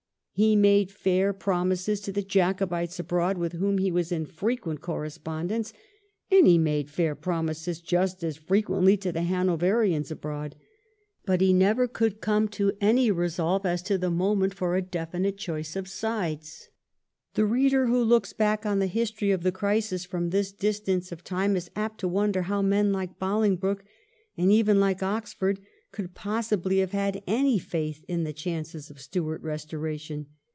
He made fair promises to the Jacobites abroad, with whom he was in frequent correspondence, and he made fair promises just as frequently to the Hanoverians abroad ; but he never could come to any resolve as to the moment for a definite choice of sides. The reader who looks back on the history of the crisis from this distance of time is apt to wonder how men like Bolingbroke, and even like Oxford, could possibly have had any faith in the chances of a Stuart restoration.